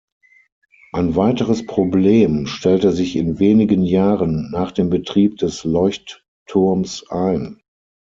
Ein weiteres Problem stellte sich in wenigen Jahren nach dem Betrieb des Leuchtturms ein.